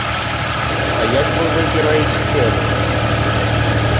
А як вы выбіраеце тэму?